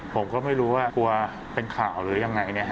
ผมก็ไม่รู้ว่ากลัวเป็นข่าวหรือยังไง